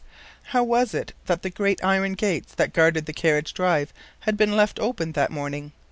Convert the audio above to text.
How was it that the great iron gates that guarded the carriage drive had been left open that morning!